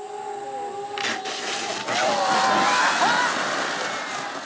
あっ！